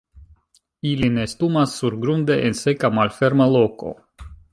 Ili nestumas surgrunde en seka malferma loko.